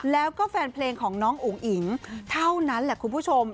แล้วก็แฟนเพลงของน้องอุ๋งอิ๋งเท่านั้นแหละคุณผู้ชม